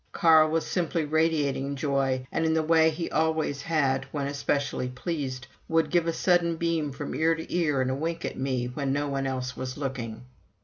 Carl was simply radiating joy, and in the way he always had when especially pleased, would give a sudden beam from ear to ear, and a wink at me when no one else was looking.